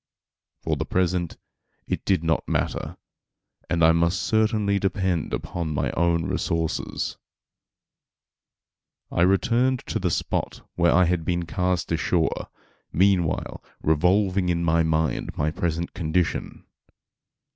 For the present it did not matter, and I must certainly depend upon my own resources. I returned to the spot where I had been cast ashore, meanwhile revolving in my mind my present condition.